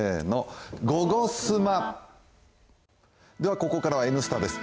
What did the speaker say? ここからは「Ｎスタ」です。